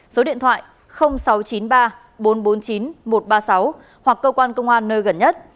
số điện thoại sáu trăm chín mươi ba bốn trăm bốn mươi chín một trăm ba mươi sáu hoặc cơ quan công an nơi gần nhất